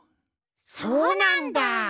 そうなんだ！